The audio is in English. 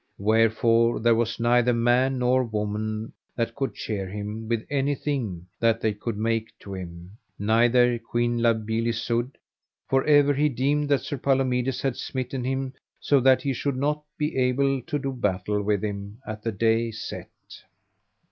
Wherefore there was neither man nor woman that could cheer him with anything that they could make to him, neither Queen La Beale Isoud; for ever he deemed that Sir Palomides had smitten him so that he should not be able to do battle with him at the day set.